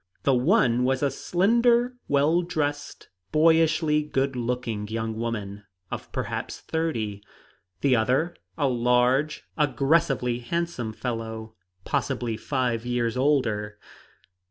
The one was a slender, well dressed, boyishly good looking young woman of perhaps thirty; the other a large, aggressively handsome fellow possibly five years older.